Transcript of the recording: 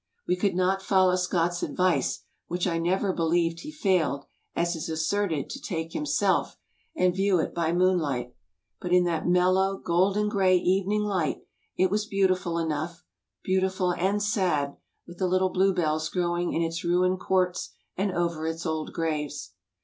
We could not follow Scott's advice, which I never believed he failed, as is asserted, to take himself, and view it by moon light. But in that mellow, golden gray evening tight it was beautiful enough, beautiful and sad, with the little bluebells growing in its ruined courts and over its old graves.